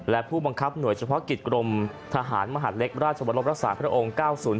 และผู้บังคับหน่วยเฉพาะกิจกรมทหารมหาดเล็กราชวรบรักษาพระองค์๙๐